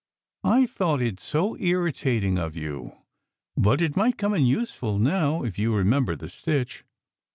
I thought it so irritating of you, but it might come in useful now, if you remember the stitch.